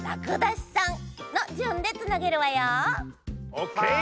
オッケー。